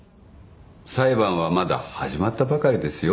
裁判はまだ始まったばかりですよ。